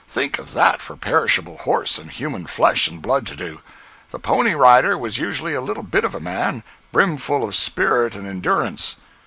Think of that for perishable horse and human flesh and blood to do! The pony rider was usually a little bit of a man, brimful of spirit and endurance.